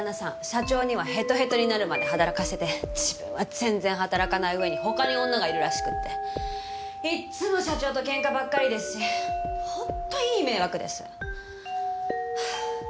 社長にはヘトヘトになるまで働かせて自分は全然働かない上に他に女がいるらしくていつも社長とケンカばっかりですし本当いい迷惑です。